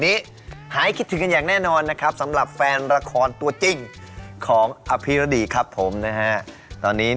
นี้หายคิดถึงกันอย่างแน่นอนนะครับสำหรับแฟนละครตัวจริงของอภิรดีครับผมนะฮะตอนนี้